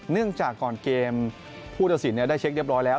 เนื่องจากก่อนเกมผู้ทศิลป์ได้เช็คเรียบร้อยแล้ว